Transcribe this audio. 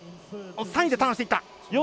３位でターンしていった。